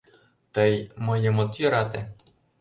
Тый... мыйым от йӧрате?